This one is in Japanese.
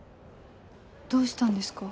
どうしたんですか？